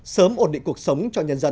sớm ổn định cuộc sống cho nhân dân